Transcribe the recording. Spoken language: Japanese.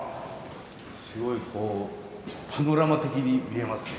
すごいこうパノラマ的に見えますね。